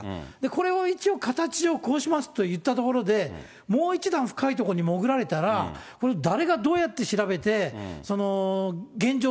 これを一応、形をこうしますと言ったところで、もう一段深いところに潜られたら、誰がどうやって調べて、現状